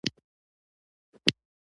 هغوی له مشرانو څخه منطق او حقایق غوښتل.